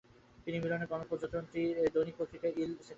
তিনি মিলানের গণতন্ত্রপন্থী দৈনিক পত্রিকা ইল সেকোলো-র সম্পাদক ছিলেন।